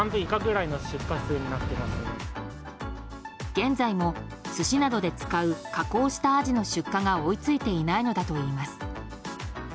現在も寿司などで使う加工したアジの出荷が追いついていないのだといいます。